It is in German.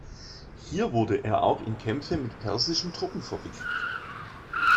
Hier wurde er auch in Kämpfe mit persischen Truppen verwickelt.